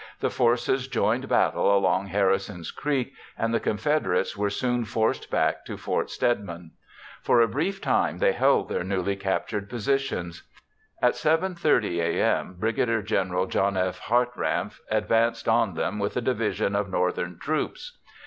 The forces joined battle along Harrison's Creek and the Confederates were soon forced back to Fort Stedman. For a brief time they held their newly captured positions. At 7:30 a.m. Brig. Gen. John F. Hartranft advanced on them with a division of Northern troops.